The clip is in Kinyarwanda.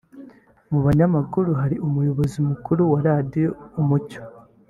Mu banyamakuru hari umuyobozi mukuru wa Radio Umucyo